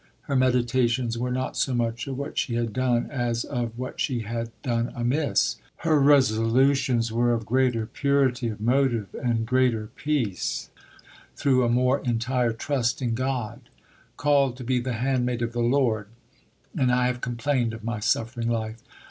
Her meditations were not so much of what she had done as of what she had done amiss; her resolutions were of greater purity of motive, and greater peace, through a more entire trust in God: "Called to be the 'handmaid of the Lord,' and I have complained of my suffering life!